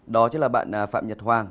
đó chính là bạn phạm nhật hoàng